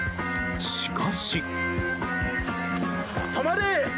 しかし。